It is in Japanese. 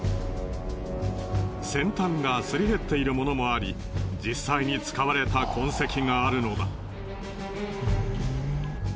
先端がすり減っているものもあり実際に使われた痕跡があるのだ。